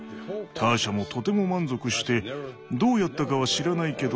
ターシャもとても満足して「どうやったかは知らないけど大好きよ」